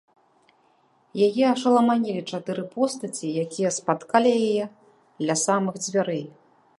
Яе ашаламанілі чатыры постаці, якія спаткалі яе ля самых дзвярэй.